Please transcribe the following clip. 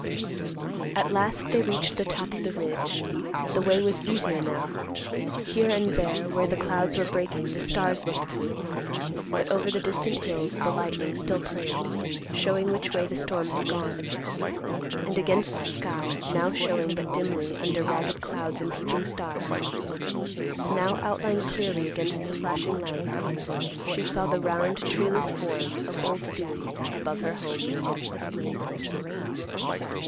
At last they reached the top of the ridge. The way was easier now. Here and there, where the clouds were breaking, the stars looked through; but over the distant hills, the lightning still played, showing which way the storm had gone; and against the sky, now showing but dimly under ragged clouds and peeping stars, now outlined clearly against the flashing light, she saw the round treeless form of Old Dewey above her home.